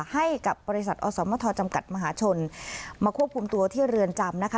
ให้กับบริษัทอสมทจำกัดมหาชนมาควบคุมตัวที่เรือนจำนะคะ